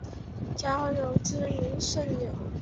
孝友之名罕有。